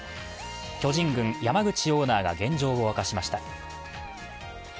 巨人軍・山口オーナーが現状を明かしました。